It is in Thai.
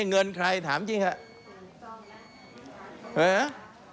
เงินใครทำจริง